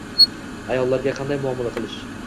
Ayollarga qanday muomala qilish.